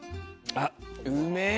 あっうめぇ。